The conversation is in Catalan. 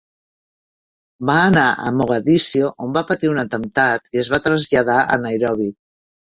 Va anar a Mogadiscio on va patir un atemptat i es va traslladar a Nairobi.